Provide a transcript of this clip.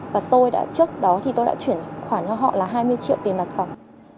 và tôi đã trước đó thì tôi đã chuyển khoản cho họ là hai mươi triệu tiền đặt cọc